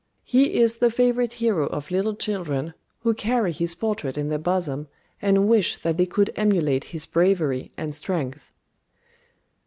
He is the favourite hero of little children, who carry his portrait in their bosom, and wish that they could emulate his bravery and strength.